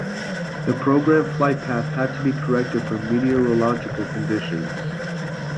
The programmed flightpath had to be corrected for meteorological conditions.